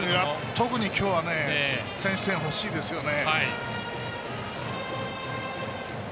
特に今日は先取点欲しいですよね。